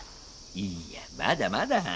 いやまだまだ。